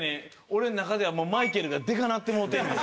俺の中ではもうマイケルがでかなってもうてんねん。